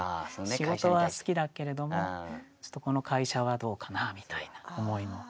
仕事は好きだけれどもちょっとこの会社はどうかなみたいな思いも。